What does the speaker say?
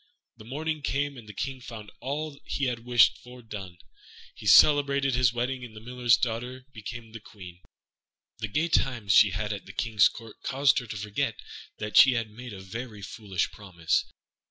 When morning came, and the King found all he had wished for done, he celebrated his wedding, and the Miller's fair daughter became Queen. The gay times she had at the King's Court caused her to forget that she had made a very foolish promise.